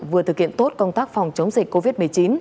vừa thực hiện tốt công tác phòng chống dịch covid một mươi chín